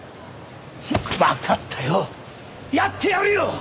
わかったよやってやるよ！